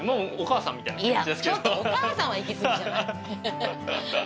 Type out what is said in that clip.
いやちょっとお母さんは行き過ぎじゃない？